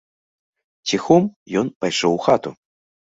Ціхом ён пайшоў у хату.